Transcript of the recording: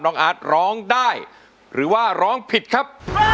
ร่องใจร่องใจร่องใจร่องใจ